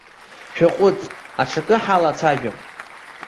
Шәаҟәыҵ, аҽакы ҳалацәажәап.